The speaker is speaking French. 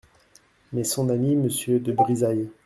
Mais son ami, Monsieur de Brizailles.